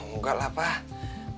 tau gak lah pak